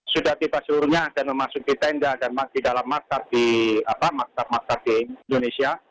sudah tiba seluruhnya dan memasuki tenda dan di dalam maksat di indonesia